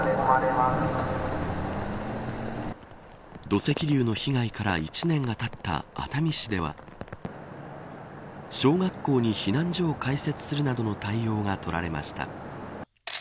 土石流の被害から１年がたった熱海市では小学校に避難所を開設するなどの対応が取られました。